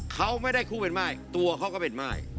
เขาไม่ได้คุกเป็นไม้ตัวเขาก็เป็นไม้